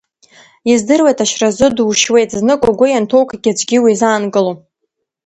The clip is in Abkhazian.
Издыруеит ашьразы душьуеит, знык угәы ианҭоукгьы аӡәгьы уизаанкылом…